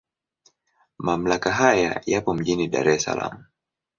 Mamlaka haya yapo mjini Dar es Salaam.